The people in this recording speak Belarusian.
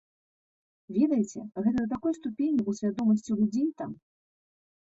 Ведаеце, гэта да такой ступені ў свядомасці людзей там.